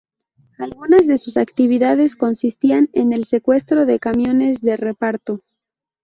Algunas de sus actividades consistían en el secuestro de camiones de reparto.